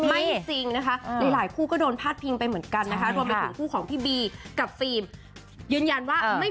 ในหลายผู้คลุก็โดนพาดพิงไปเหมือนกัน